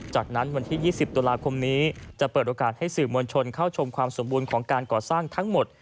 จากนั้นวันที่๒๐ตุลาคมนี้จะเปิดโอกาสให้สื่อมวลชนเข้าชมความสมบูรณ์ของการก่อสร้างทั้งหมด